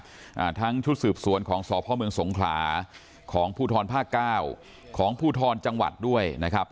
อ่าทั้งชุดสืบสวนของสพเมืองสงขลาของภูทรภาคเก้าของภูทรจังหวัดด้วยนะครับ